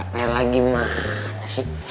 rela gimana sih